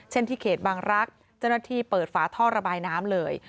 ที่เขตบางรักษ์เจ้าหน้าที่เปิดฝาท่อระบายน้ำเลย